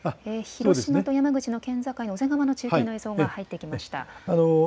広島と山口の県境の小瀬川の中継の映像が入ってきました。